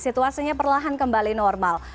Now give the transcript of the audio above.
situasinya perlahan kembali normal